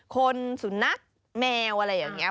คนสุนัขแมวอะไรอย่างนี้